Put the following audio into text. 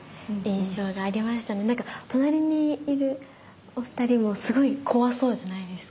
なんか隣にいるお二人もすごい怖そうじゃないですか。